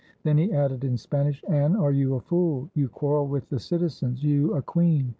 Then he added in Spanish, "Anne, are you a fool? You quarrel with the citizens, — you, a queen !